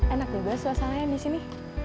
enak juga suasananya di sini